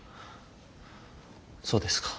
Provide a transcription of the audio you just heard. そうですか。